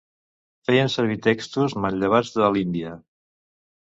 Feien servir textos manllevats de l'Índia.